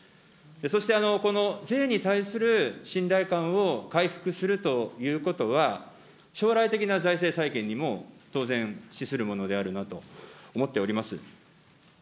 そして、この税に対する信頼感を回復するということは、将来的な財政再建にも、当然、資するものであるなと思っております。